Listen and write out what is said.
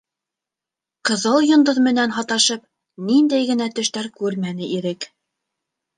Ҡыҙыл йондоҙ менән һаташып, ниндәй генә төштәр күрмәне Ирек.